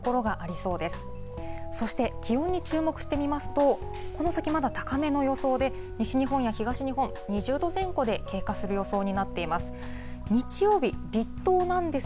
そして、気温に注目してみますと、この先まだ、高めの予想で、西日本や東日本、２０度前後で経過する予想になっています。